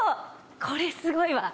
これすごいわ。